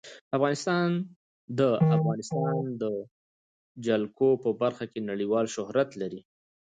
افغانستان د د افغانستان جلکو په برخه کې نړیوال شهرت لري.